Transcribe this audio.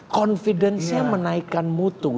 confidence nya menaikkan mutu